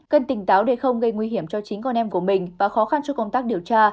cần tỉnh táo để không gây nguy hiểm cho chính con em của mình và khó khăn cho công tác điều tra